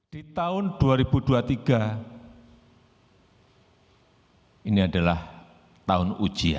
di tahun dua ribu dua puluh tiga ini adalah tahun ujian